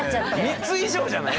３つ以上じゃない？